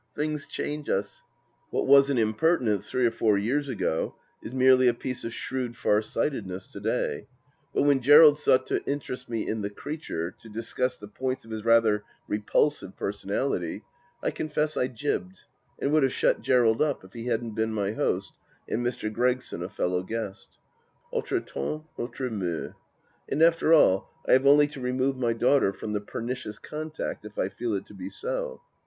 Things change so. What was an impertinence three or four years ago is merely a piece of shrewd far sightedness nowadays. But when Gerald sought to interest me in the creature, to discuss the points of his rather repulsive personality, I confess I jibbed, and would have shut Gerald up if he hadn't been my host and Mr. Gregson a fellow guest. Autres temps, autres mceurs. And after all, I have only to remove my daughter from the pernicious contact if I feel it to be so.